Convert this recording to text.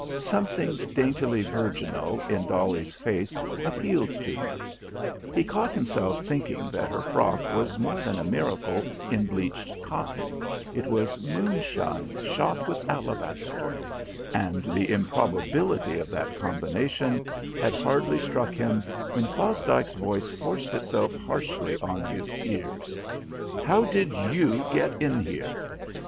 Something daintily virginal in Dolly's face appealed to him; he caught himself thinking that her frock was more than a miracle in bleached cotton it was moonshine shot with alabaster; and the improbability of that combination had hardly struck him when Fosdike's voice forced itself harshly on his ears. "How did you get in here?"